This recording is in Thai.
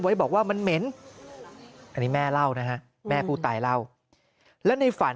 บอกว่ามันเหม็นอันนี้แม่เล่านะฮะแม่ผู้ตายเล่าแล้วในฝัน